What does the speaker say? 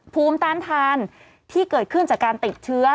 ภูมิต้านทานที่เกิดขึ้นจากการติดเชื้อ